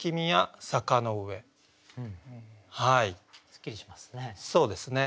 すっきりしますね。